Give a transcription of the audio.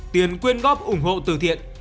tiền quyên góp ủng hộ từ thiện